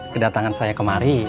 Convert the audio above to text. kedatangan saya kemari